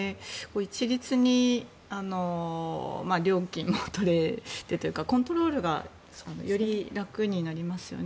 一律に料金も取れてというかコントロールがより楽になりますよね。